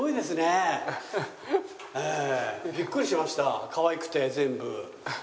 ビックリしましたかわいくて全部。